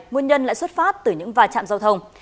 nguyên nhân lại xuất phát từ những vài trạm giao thông